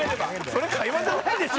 それ会話じゃないでしょ！